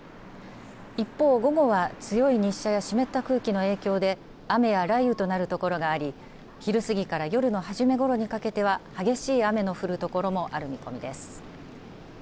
一方、午後は強い日射や湿った空気の影響で雨や雷雨となるところがあり昼過ぎから夜の初めごろにかけては激しい雨の降るところもある見込みです。